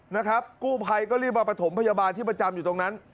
นะครับกู้ภัยก็รีบมาประถมพยาบาลที่ประจำอยู่ตรงนั้น